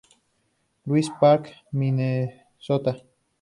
Louis Park, Minnesota.